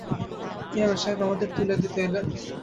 ইমাম সাহেব আমাদের তুলে দিতে এলেন।